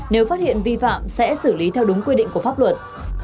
nếu phát hiện vi phạm sẽ xử lý theo đúng quy định của pháp luật